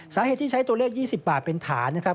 สาเหตุที่ใช้ตัวเลข๒๐บาทเป็นฐานนะครับ